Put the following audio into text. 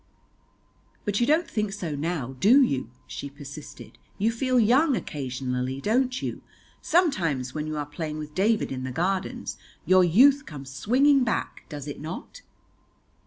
"But you don't think so now, do you?" she persisted, "you feel young occasionally, don't you? Sometimes when you are playing with David in the Gardens your youth comes swinging back, does it not?"